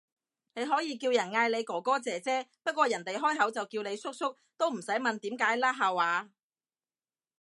你可以叫人嗌你哥哥姐姐，不過人哋開口就叫你叔叔，都唔使問點解啦下話